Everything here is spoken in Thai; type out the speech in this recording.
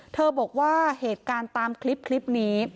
เธอบอกว่าเหตุการณ์ตามคลิปนี้